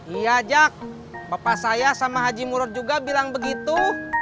iya jak bapak saya sama haji murot juga bilang begitu